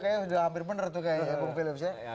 kayaknya sudah hampir benar itu ya pak filips ya